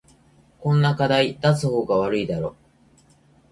こんな課題出す方が悪いだろ